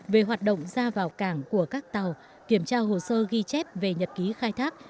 về hoạt động ra vào cảng của các tàu kiểm tra hồ sơ ghi chép về nhật ký khai thác